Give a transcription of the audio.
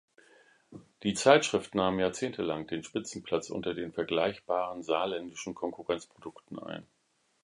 Die Zeitschrift nahm jahrzehntelang den Spitzenplatz unter den vergleichbaren saarländischen Konkurrenzprodukten ein.